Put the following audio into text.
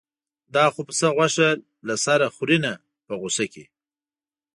دا خو پسه غوښه له سره خوري نه په غوسه کې.